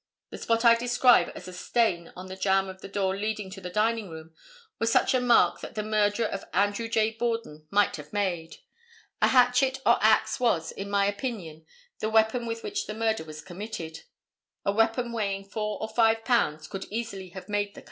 The spot I describe as a stain on the jamb of the door leading to the dining room, was such a mark that the murderer of Andrew J. Borden might have made. A hatchet or axe was, in my opinion, the weapon with which the murder was committed. A weapon weighing four or five pounds could easily have made the cuts."